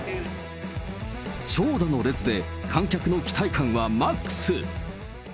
長蛇の列で、観客の期待感はマックス。